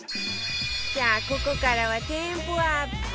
さあここからはテンポアップ